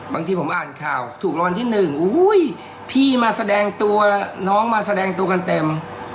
บางทีผมอ่านข่าวถูกรางวัลที่หนึ่งพี่มาแสดงตัวน้องมาแสดงตัวกันเต็ม